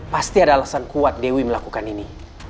pasti ada alasan kuat dewi melakukan ini